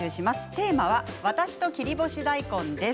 テーマはわたしと切り干し大根です。